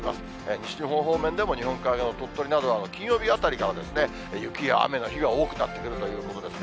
西日本方面でも日本海側、鳥取などは金曜日あたりから雪や雨の日が多くなってくるということですね。